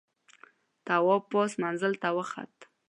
تواب پاس منزل ته وخوت.